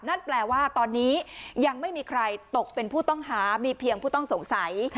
นั่นแปลว่าตอนนี้ยังไม่มีใครตกเป็นผู้ต้องหามีเพียงผู้ต้องสงสัย